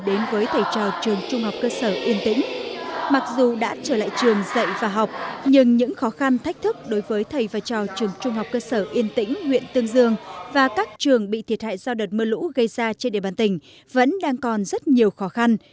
đến với thầy trò trường trung học cơ sở yên tĩnh mặc dù đã trở lại trường dạy và học nhưng những khó khăn thách thức đối với thầy và trò trường trung học cơ sở yên tĩnh huyện tương dương và các trường bị thiệt hại do đợt mưa lũ gây ra trên địa bàn tỉnh vẫn đang còn rất nhiều khó khăn